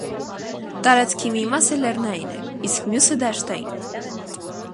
Տարածքի մի մասը լեռնային էր, իսկ մյուսը՝ դաշտային։